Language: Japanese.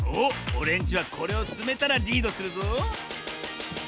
オレンジはこれをつめたらリードするぞ。